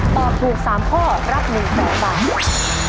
ถ้าตอบถูก๓ข้อรับ๑๐๐๐๐๐๐บาท